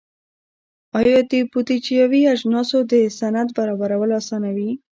دا د بودیجوي اجناسو د سند برابرول اسانوي.